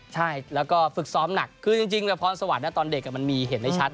ใช่แล้วก็ฝึกซ้อมหนักคือจริงพรสวรรค์ตอนเด็กมันมีเห็นได้ชัด